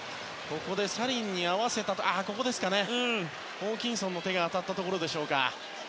サリンに合わせたあとホーキンソンの手が当たったところでしょうか。